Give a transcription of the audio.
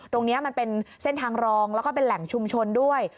ตรงนี้มันเป็นเส้นทางรองแล้วก็เป็นแหล่งชุมชนด้วย